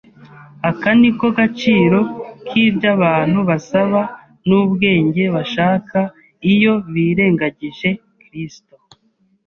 Aka ni ko gaciro k’iby’abantu basaba n’ubwenge bashaka iyo birengagije Kristo.